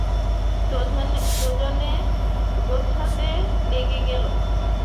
দুজনে গোছাতে লেগে গেল।